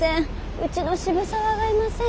うちの渋沢がいません！